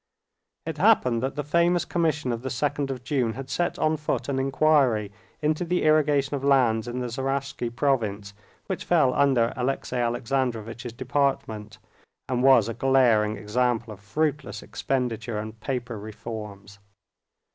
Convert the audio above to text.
It happened that the famous Commission of the 2nd of June had set on foot an inquiry into the irrigation of lands in the Zaraisky province, which fell under Alexey Alexandrovitch's department, and was a glaring example of fruitless expenditure and paper reforms.